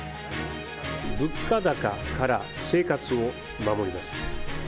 物価高から生活を守ります。